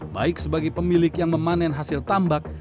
baik sebagai pemilik yang memanen hasil tambak